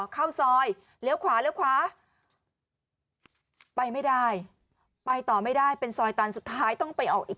ขวาไปไม่ได้ไปต่อไม่ได้เป็นซอยตันสุดท้ายต้องไปออกอีก